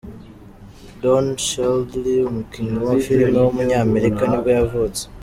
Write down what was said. Don Cheadle, umukinnyi wa filime w’umunyamerika nibwo yavutse.